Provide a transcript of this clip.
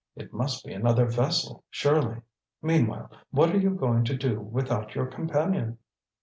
It must be another vessel, surely. Meanwhile, what are you going to do without your companion?"